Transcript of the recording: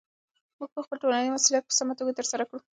موږ به خپل ټولنیز مسؤلیت په سمه توګه ترسره کړو.